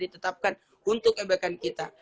ditetapkan untuk kebaikan kita